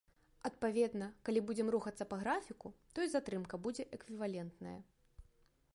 Адпаведна, калі будзем рухацца па графіку, то і затрымка будзе эквівалентная.